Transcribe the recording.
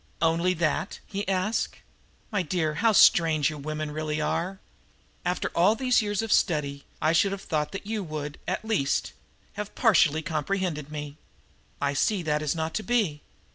"Only that?" he asked. "My dear, how strange you women really are! After all these years of study I should have thought that you would, at least, have partially comprehended me. I see that is not to be.